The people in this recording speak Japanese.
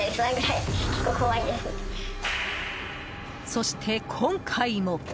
そして、今回も。